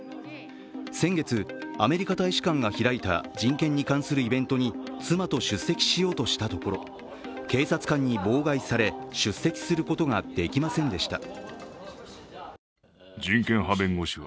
先月、アメリカ大使館が開いた人権に関するイベントに妻と出席しようとしたところ警察官に妨害され出席することができませんでした。